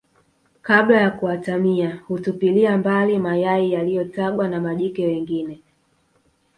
kabla ya kuatamia hutupilia mbali mayai yaliyotagwa na majike wengine